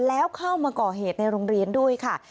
แล้วเข้ามาก่อเหตุในโรงเรียนด้วยค่ะ